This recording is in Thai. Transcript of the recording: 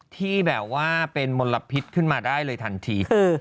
ที่แบบว่าเป็นมลพิษขึ้นมาได้เลยทันที